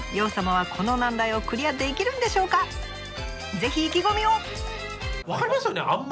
ぜひ意気込みを！